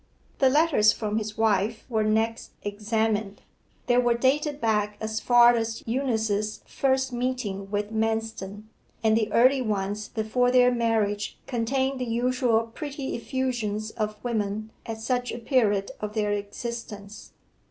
The letters from his wife were next examined. They were dated back as far as Eunice's first meeting with Manston, and the early ones before their marriage contained the usual pretty effusions of women at such a period of their existence.